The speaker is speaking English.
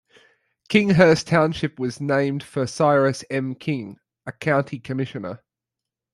Kinghurst Township was named for Cyrus M. King, a county commissioner.